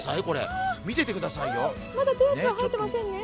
見ててくださいよ。